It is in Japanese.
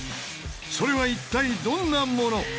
それは一体どんなもの？